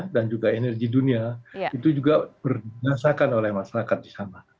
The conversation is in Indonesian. dan juga energi dunia itu juga berdasarkan oleh masyarakat di sana